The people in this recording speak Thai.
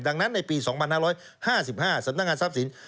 ดังนั้นในปี๒๕๕๕สำนักงานทรัพย์สิน